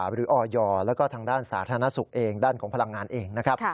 หรือออยแล้วก็ทางด้านสาธารณสุขเองด้านของพลังงานเองนะครับ